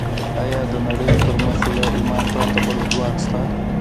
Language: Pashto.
ايا د نړۍ پر مخ له ايمانه پرته بل ځواک شته؟